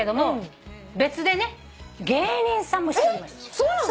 そうなの？